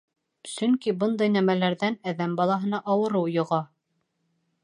Сөнки бындай нәмәләрҙән әҙәм балаһына ауырыу йоға.